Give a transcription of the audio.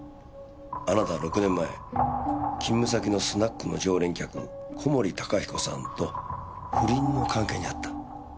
あなたは６年前勤務先のスナックの常連客小森高彦さんと不倫の関係にあった。